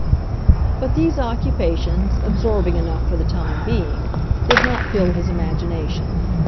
But these occupations, absorbing enough for the time being, did not fill his imagination.